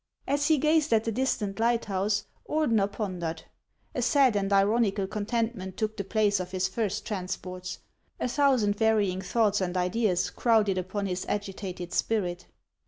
As he gazed at the distant lighthouse, Ordener pon dered. A sad and ironical contentment took the place of his first transports ; a thousand varying thoughts and ideas crowded upon his agitated spirit.